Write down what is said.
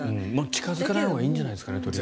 近付かないほうがいいんじゃないですか。